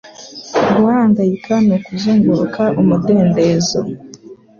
Guhangayika ni ukuzunguruka umudendezo.”